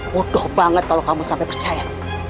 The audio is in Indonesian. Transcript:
bodoh banget kalo kamu sampe percaya